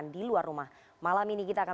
selamat malam rifana